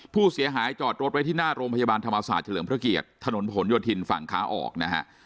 ผู้เสียหายจอดรถไว้ที่หน้าโรงพยาบาลธรรมศาสตร์เฉลิมพระเกียรติถนนผลโยธินฝั่งขาออกนะฮะ